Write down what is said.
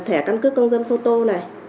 thẻ căn cước công dân photo này